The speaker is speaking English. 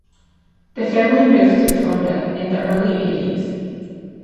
The family moved to Florida in the early Eighties.